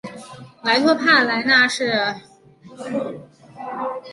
莱托帕莱纳是意大利阿布鲁佐大区基耶蒂省的一个镇。